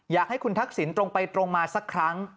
อยากให้คุณทักษิณตรงไปตรงมาสักครั้ง